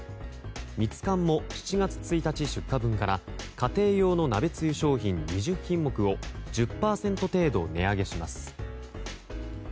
ミツカンも７月１日出荷分から家庭用の鍋つゆ商品２０品目を１０％程度値上げします。